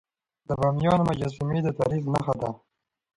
د بامیانو مجسمي د تاریخ نښه ده.